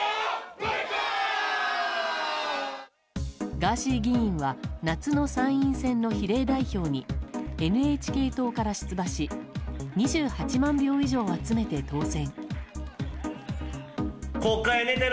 ガーシー議員は夏の参院選の比例代表にＮＨＫ党から出馬し２８万票以上を集めて当選。